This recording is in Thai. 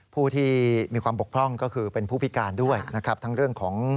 ผู้ที่มีความโปรกพล่องก็คือ